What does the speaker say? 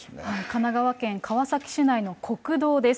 神奈川県川崎市内の国道です。